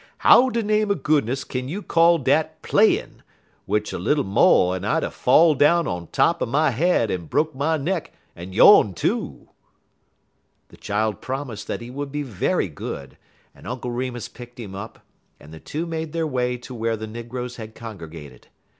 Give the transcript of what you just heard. How de name er goodness kin you call dat playin', w'ich er little mo' en I'd er fell down on top er my head, en broke my neck en yone too?" The child promised that he would be very good, and Uncle Remus picked him up, and the two made their way to where the negroes had congregated.